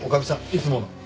いつもの。